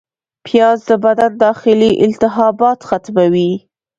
پیاز د بدن داخلي التهابات ختموي